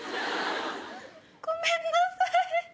ごめんなさい。